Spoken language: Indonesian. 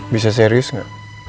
bisa serius gak